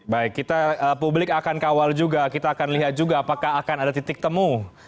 baik kita publik akan kawal juga kita akan lihat juga apakah akan ada titik temu